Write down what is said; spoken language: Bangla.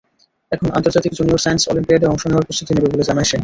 এখন আন্তর্জাতিক জুনিয়র সায়েন্স অলিম্পিয়াডে অংশ নেওয়ার প্রস্তুতি নেবে বলে জানায় সে।